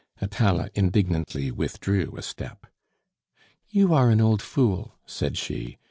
Atala indignantly withdrew a step. "You are an old fool!" said she.